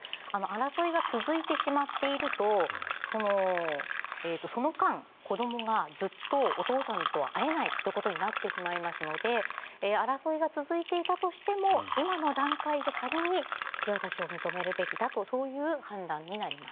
争いが続いてしまっているとその間、子どもがずっとお父さんとは会えないということになってしまいますので争いが続いていたとしても今の段階で仮に引き渡しを認めるべきだとそういう判断になります。